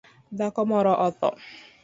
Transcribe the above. Dhako moro otho